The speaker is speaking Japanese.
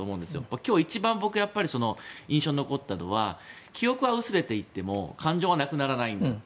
今日、一番僕が印象に残ったのは記憶は薄れていても感情はなくならないんだと。